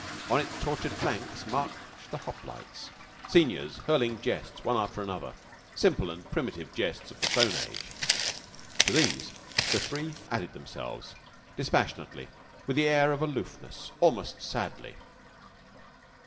On its tortured flanks marched the Hoplites, seniors hurling jests one after another simple and primitive jests of the Stone Age. To these the three added themselves, dispassionately, with an air of aloofness, almost sadly.